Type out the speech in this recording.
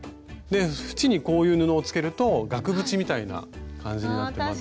縁にこういう布をつけると額縁みたいな感じになってまた。